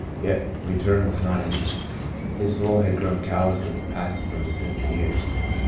Yet return was not easy. His soul had grown callous with the passing of the sinful years.